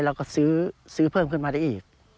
เราก็ซื้อเพิ่มขึ้นมาได้อีก